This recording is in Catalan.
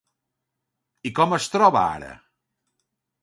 I com es troba ara?